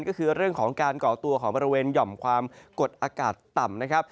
ก็คือเรื่องของการก่อตัวของบริเวณหย่อมความกดอากาศต่ำนะครับ